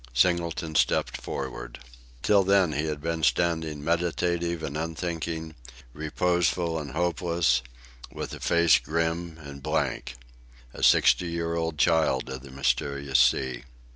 Singleton stepped forward. Till then he had been standing meditative and unthinking, reposeful and hopeless, with a face grim and blank a sixty year old child of the mysterious sea.